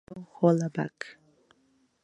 Para ello, Hollaback!